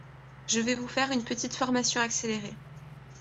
Je vais vous faire une petite formation accélérée.